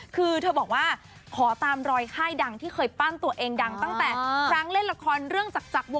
คือเธอบอกว่าขอตามรอยค่ายดังที่เคยปั้นตัวเองดังตั้งแต่ครั้งเล่นละครเรื่องจักร